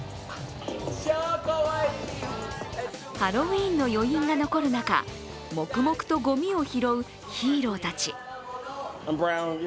ハロウィーンの余韻が残る中黙々とごみを拾うヒーローたち。